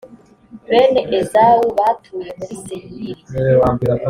bene ezawu batuye muri seyiri